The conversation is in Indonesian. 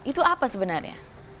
itu apa sebenarnya